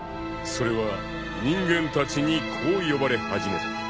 ［それは人間たちにこう呼ばれ始めた］